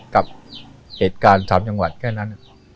กับเหตุการณ์๓จังหวัดแค่นั้น